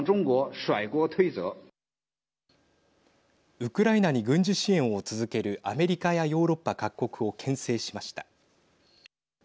ウクライナに軍事支援を続けるアメリカやヨーロッパ各国をけん制しました。